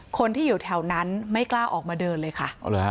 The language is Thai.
คนที่อยู่แถวนั้นไม่กล้าออกมาเดินเลยค่ะ